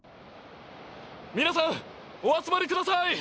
皆さん、お集まりください。